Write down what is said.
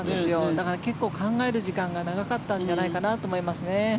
だから結構考える時間が長かったんじゃないかと思います。